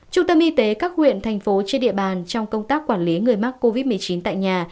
trung tâm y tế các huyện thành phố trên địa bàn trong công tác quản lý người mắc covid một mươi chín tại nhà